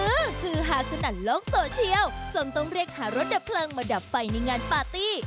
คือฮาสนั่นโลกโซเชียลจนต้องเรียกหารถดับเพลิงมาดับไฟในงานปาร์ตี้